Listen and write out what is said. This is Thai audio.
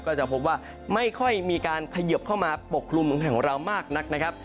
ก็จะพบว่าไม่ค่อยมีการพยิบเข้ามาปกลุ่มของเรามากนักนะครับ